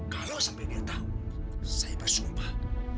kalau sampai dia tahu saya bersumpah